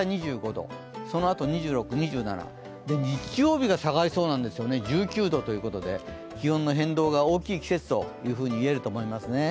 ２５度、そのあと２６、２７、日曜日が下がりそうなんです、１９度ということで気温の変動が大きい季節といえると思います。